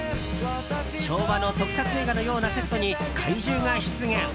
昭和の特撮映画のようなセットに怪獣が出現。